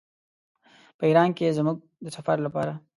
په ایران کې زموږ د سفر لپاره.